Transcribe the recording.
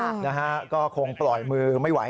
นะฮะก็คงปล่อยมือไม่ไหว